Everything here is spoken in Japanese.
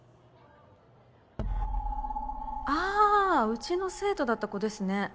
あうちの生徒だった子ですね。